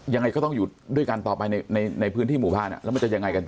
ยังไงก็ต้องอยู่ด้วยกันต่อไปในพื้นที่หมู่บ้านแล้วมันจะยังไงกันต่อ